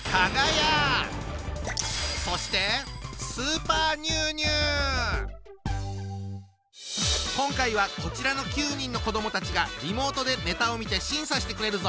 そして今回はこちらの９人の子どもたちがリモートでネタを見て審査してくれるぞ！